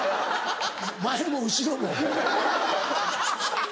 前も後ろも。